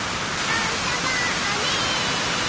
あそぼうね！